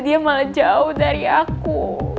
dia malah jauh dari aku